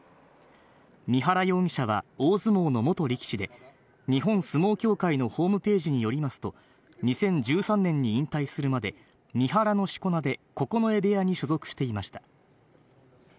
三原容疑者は大相撲の元力士で、日本相撲協会のホームページによりますと、２０１３年に引退するまで、三原のしこ名で九重部屋に所属していました。